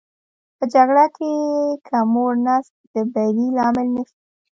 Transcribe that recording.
په جګړه کې که موړ نس د بري لامل نه شي.